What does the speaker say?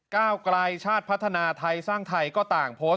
ก้าวไกลชาติพัฒนาไทยสร้างไทยก็ต่างโพสต์